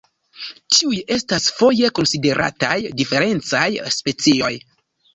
Tiuj estas foje konsiderataj diferencaj specioj.